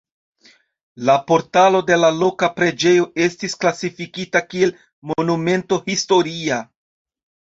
La portalo de la loka preĝejo estis klasifikita kiel Monumento historia.